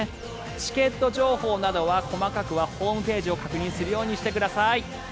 チケット情報などは細かくはホームページを確認するようにしてください。